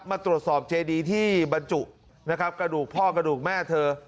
มาตรวจสอบเจดีที่บรรจุนะครับกระดูกพ่อกระดูกแม่เธอ